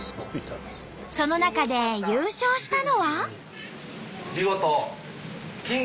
その中で優勝したのは。